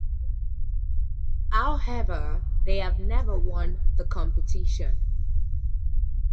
However, they have never won the competition.